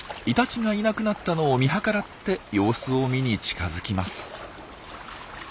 イタチがいなくなったのを見計らって様子を見に近づきます。